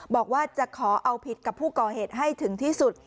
บอกว่าจะขอเอาผิดกับผู้ก่อเหตุให้ถึงที่สุด